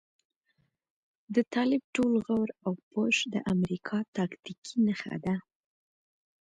د طالب ټول غور او پش د امريکا تاکتيکي نښه ده.